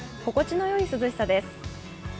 心地の良い涼しさです。